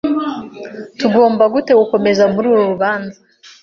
Tugomba gute gukomeza muri uru rubanza?